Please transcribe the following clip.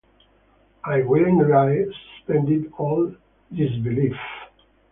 I willingly suspended all disbelief.